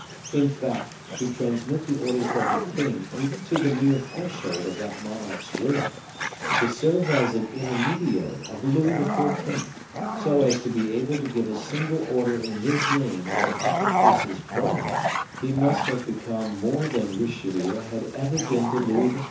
In fact, to transmit the orders of the king even to the mere threshold of that monarch's room, to serve as an intermediary of Louis XIV. so as to be able to give a single order in his name at a couple paces from him, he must have become more than Richelieu had ever been to Louis XIII.